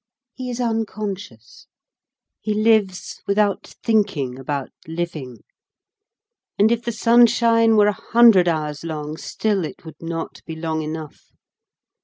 He is unconscious; he lives without thinking about living; and if the sunshine were a hundred hours long, still it would not be long enough.